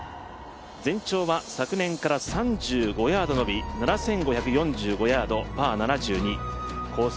全長は昨年から３５ヤード延び７５４５ヤード、パー７２。コース